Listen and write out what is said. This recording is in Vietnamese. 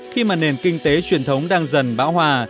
khi mà nền kinh tế truyền thống đang dần bão hòa